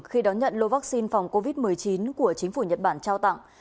khi đón nhận lô vaccine phòng covid một mươi chín của chính phủ nhật bản trao tặng